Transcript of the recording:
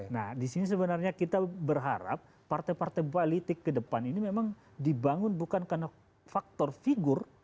nah di sini sebenarnya kita berharap partai partai politik ke depan ini memang dibangun bukan karena faktor figur